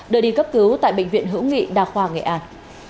đưa đi cấp cứu tại bệnh viện hữu nghị đa khoa nghệ an